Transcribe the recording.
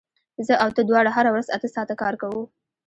زه او ته دواړه هره ورځ اته ساعته کار کوو